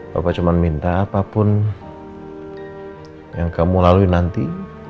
bapak cuma minta apapun yang kamu lalui nanti